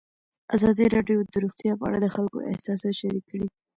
ازادي راډیو د روغتیا په اړه د خلکو احساسات شریک کړي.